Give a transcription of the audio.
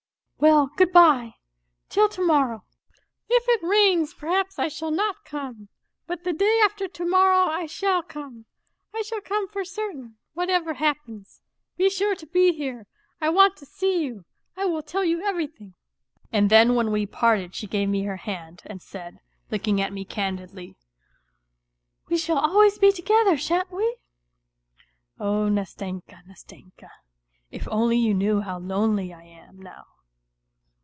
Well, good bye, till to morrow. ' If it rains perhaps I shall not come. But the day after to morrow, I shall come. I shall come for certain, whatever happens; be sure to be here, I want to see you, I will tell you everything." And then when we parted she gave me her hand and said, looking at me candidly :" We shall always be together, shan't we?" Oh, Nastenka, Nastenka ! If only you knew how lonely I am now